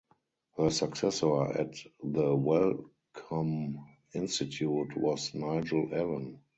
Her successor at the Wellcome Institute was Nigel Allan.